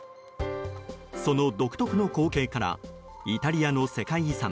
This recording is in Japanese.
その独特の光景からイタリアの世界遺産